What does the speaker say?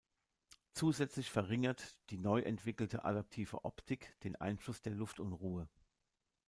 Zusätzlich verringert die neu entwickelte adaptive Optik den Einfluss der Luftunruhe.